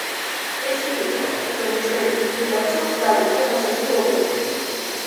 ეს იმიტომ, რომ ჩვენ, თუ გახსოვთ, დავიწყეთ ასეთი ლოგიკით.